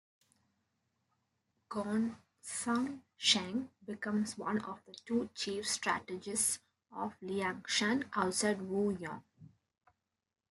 Gongsun Sheng becomes one of the two chief strategists of Liangshan alongside Wu Yong.